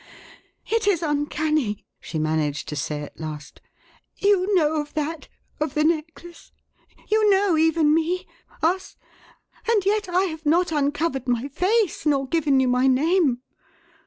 "It is uncanny!" she managed to say at last. "You know of that? Of the necklace? You know even me? us? and yet I have not uncovered my face nor given you my name.